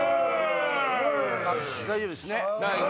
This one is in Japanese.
あっ大丈夫ですね？